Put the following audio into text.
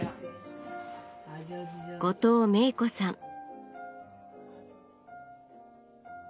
後藤明子さん。